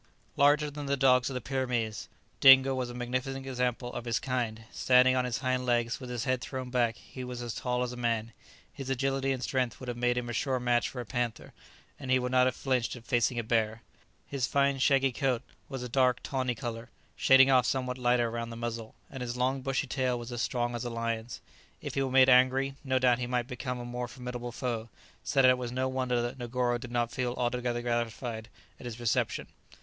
Larger than the dogs of the Pyrenees, Dingo was a magnificent example of his kind. Standing on his hind legs, with his head thrown back, he was as tall as a man. His agility and strength would have made him a sure match for a panther, and he would not have flinched at facing a bear. His fine shaggy coat was a dark tawny colour, shading off somewhat lighter round the muzzle, and his long bushy tail was as strong as a lion's. If he were made angry, no doubt he might become a most formidable foe, so that it was no wonder that Negoro did not feel altogether gratified at his reception.